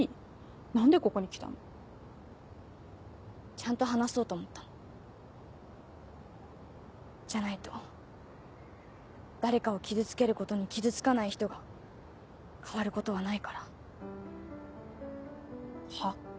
何でこちゃんと話そうと思ったのじゃないと誰かを傷つけることに傷つかない人が変わることはないからはっ？